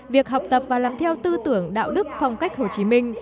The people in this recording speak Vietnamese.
việc học tập và làm theo tư tưởng đạo đức phong cách hồ chí minh